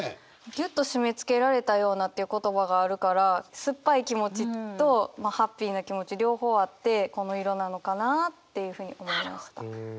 「ぎゅっとしめつけられたような」という言葉があるからすっぱい気持ちとハッピーな気持ち両方あってこの色なのかなっていうふうに思いました。